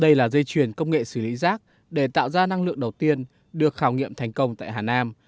đây là dây chuyển công nghệ xử lý rác để tạo ra năng lượng đầu tiên được khảo nghiệm thành công tại hà nam